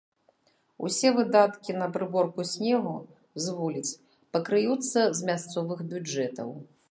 Усе выдаткі на прыборку снегу з вуліц пакрыюцца з мясцовых бюджэтаў.